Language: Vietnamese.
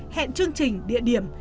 hẹn chương trình địa điểm